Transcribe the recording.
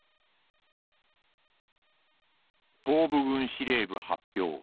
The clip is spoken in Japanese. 「東部軍司令部発表